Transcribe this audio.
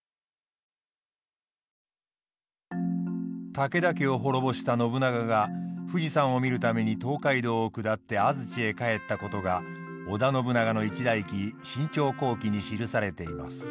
武田家を滅ぼした信長が富士山を見るために東海道を下って安土へ帰ったことが織田信長の一代記「信長公記」に記されています。